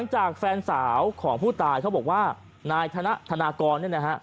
จากแฟนสาวของผู้ตายเขาบอกว่านายธนธนากรเนี่ยนะฮะ